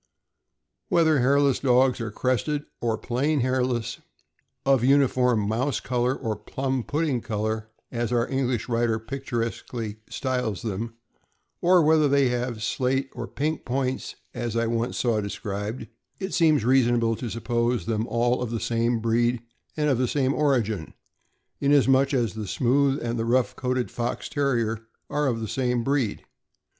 649 Whether hairless dogs are crested or plain hairless, of uniform mouse color, or plum pudding color, as our Eng lish writer picturesquely styles them, or whether they have slate or pink points, as I once saw described, it seems reasonable to suppose them all of the same breed and of the same origin, inasmuch as the smooth and the rough MEXICAN HAIRLESS DOG— ME TOO.* Owned by Elroy Foote, 120 Lexington avenue, New York City. coated Fox Terrier are of the same breed.